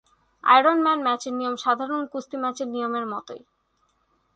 Iron man ম্যাচের নিয়ম সাধারণ কুস্তি ম্যাচের নিয়মের মতোই।